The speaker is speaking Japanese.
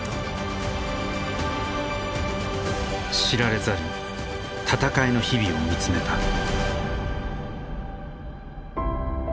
知られざる闘いの日々を見つめた。